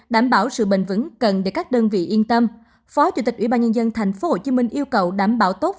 đảm bảo sự bình vững cần để các đơn vị yên tâm